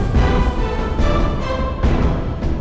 begitu tadi dan tetep setuju